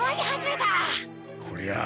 こりゃあ